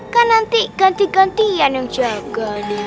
kan nanti ganti gantian yang jaga nih